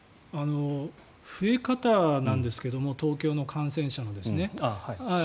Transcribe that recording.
増え方なんですけども東京の感染者のですね。